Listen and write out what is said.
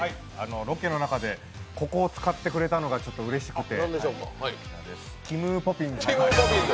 ロケの中でここを使ってくれたのがうれしくて。